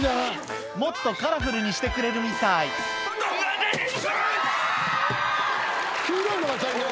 もっとカラフルにしてくれるみたい黄色いのが足りない。